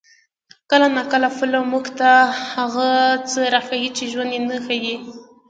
کله ناکله فلم موږ ته هغه څه راښيي چې ژوند یې نه ښيي.